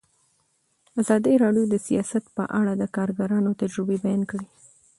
ازادي راډیو د سیاست په اړه د کارګرانو تجربې بیان کړي.